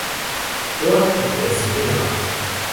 Dort blieb er sieben Jahre.